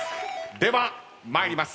では参ります。